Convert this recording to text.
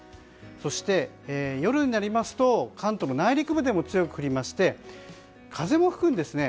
そして、夜になりますと関東の内陸部でも強く降りまして風も吹くんですね。